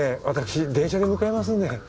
私電車で向かいますんで。